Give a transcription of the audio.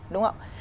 đúng không ạ